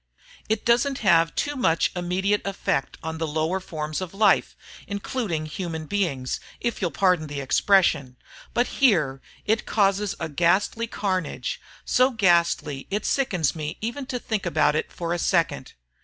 It doesn't have too much immediate effect on the lower forms of life including human beings, if you'll pardon the expression. But here, it causes a ghastly carnage, so ghastly it sickens me even to think about it for a second.